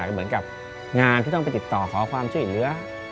ก็เหมือนกับงานที่ต้องไปติดต่อขอความช่วยเหลือ